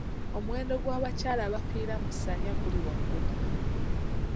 Omuwendo gw'abakyala abafiira mu ssanya guli waggulu.